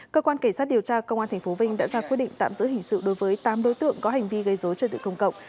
cơ quan cảnh sát điều tra công an tp vinh đã ra quyết định tạm giữ hình sự đối với tám đối tượng có hành vi gây dối trật tự công cộng